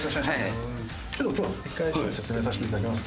ちょっとじゃあ１回説明させていただきます。